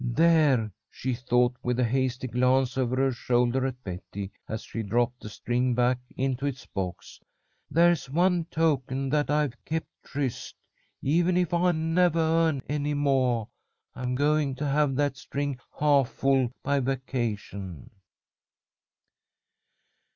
"There!" she thought, with a hasty glance over her shoulder at Betty, as she dropped the string back into its box. "There's one token that I've kept tryst, even if I nevah earn any moah. I'm going to have that string half full by vacation."